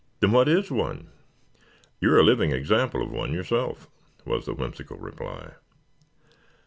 "Then what is one?" "You are a living example of one yourself," was the whimsical reply.